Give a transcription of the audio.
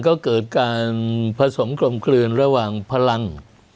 ก็เกิดการผสมกลมกลืนระหว่างพลัง